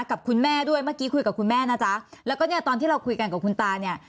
กับคุณแม่ด้วยเมื่อกี้คุยกับคุณแม่นะจ๊ะแล้วก็เนี่ยตอนที่เราคุยกันกับคุณตาเนี่ย